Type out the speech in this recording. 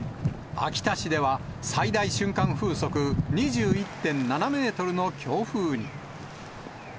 秋田市では、最大瞬間風速２１．７メートルの強風に。